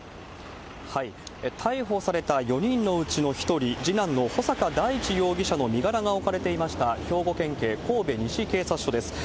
逮捕された４人のうちの１人、次男の穂坂大地容疑者の身柄が置かれていました、兵庫県警神戸西警察署です。